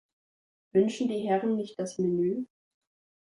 Wünschen die Herren nicht das Menu?